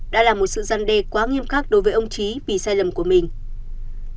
đã là một sự gian đề quá nghiêm khắc đối với ông trí vì sai lầm của mình